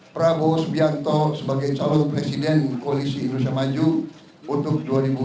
prabowo sbianto sebagai calon presiden koalisi indonesia maju untuk dua ribu dua puluh empat dua ribu dua puluh sembilan